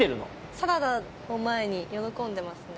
サラダを前に喜んでますね。